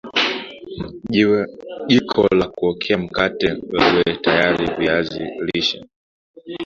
jiko lako la kuokea mkate liwe tayariwa viazi lishe